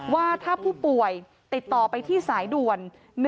ว่าถ้าผู้ป่วยติดต่อไปที่สายด่วน